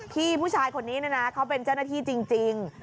ผู้ชายคนนี้นะนะเขาเป็นเจ้าหน้าที่จริง